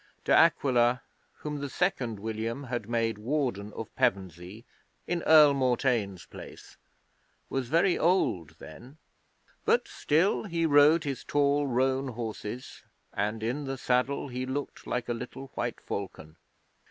De Aquila, whom the Second William had made Warden of Pevensey in Earl Mortain's place, was very old then, but still he rode his tall, roan horses, and in the saddle he looked like a little white falcon.